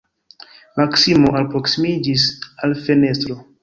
Maksimo alproksimiĝis al fenestro.